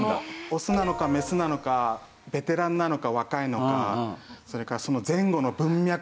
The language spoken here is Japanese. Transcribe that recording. オスなのかメスなのかベテランなのか若いのかそれからその前後の文脈でどうなのか。